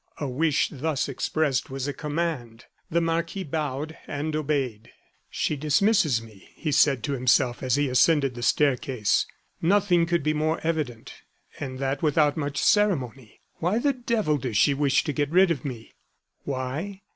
A wish thus expressed was a command. The marquis bowed and obeyed. "She dismisses me," he said to himself as he ascended the staircase, "nothing could be more evident; and that without much ceremony. Why the devil does she wish to get rid of me?" Why?